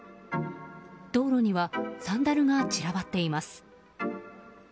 道路にはサンダルが散らばっています。